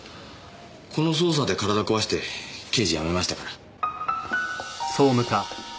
この捜査で体壊して刑事辞めましたから。